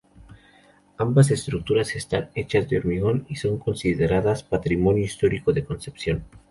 Ambas estructuras están hechas de hormigón, y son consideradas Patrimonio Histórico de Concepción.